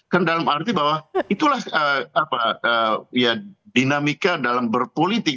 kan dalam arti bahwa itulah dinamika dalam berpolitik